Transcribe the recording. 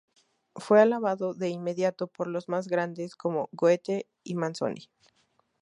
Fue alabado de inmediato por los más grandes, como Goethe y Manzoni.